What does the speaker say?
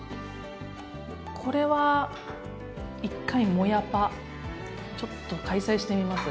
これは一回「もやパ」ちょっと開催してみます。